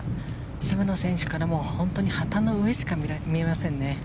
渋野選手からも旗の上しか見えませんね。